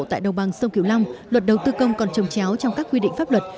tại đồng bằng sông kiều long luật đầu tư công còn trồng chéo trong các quy định pháp luật